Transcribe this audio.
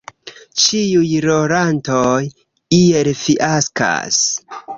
Ĉiuj rolantoj iel fiaskas.